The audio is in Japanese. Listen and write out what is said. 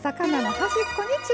端っこに。